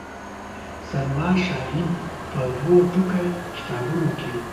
سلما شاهین په دوو ټوکه کتابونو کې.